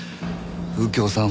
右京さん